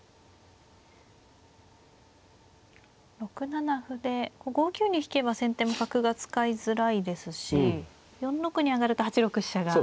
６七歩で５九に引けば先手も角が使いづらいですし４六に上がると８六飛車が。